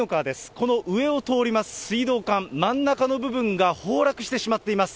この上を通ります水道管、真ん中の部分が崩落してしまっています。